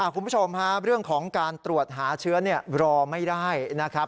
คุณผู้ชมฮะเรื่องของการตรวจหาเชื้อรอไม่ได้นะครับ